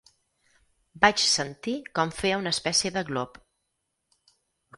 Vaig sentir com feia una espècie de glop.